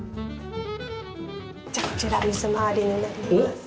じゃあこちら水回りになります。